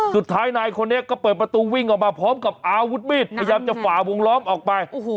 สุดท้ายนายคนนี้ก็เปิดประตูวิ่งออกมาพร้อมกับอาวุธมีดพยายามจะฝ่าวงล้อมออกไป